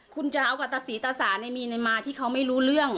คุณจะเอากฎศีรษะในมีนมาที่เขาไม่รู้เรื่อง